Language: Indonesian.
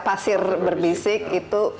pasir berbisik itu